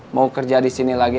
mau kerja disini lagi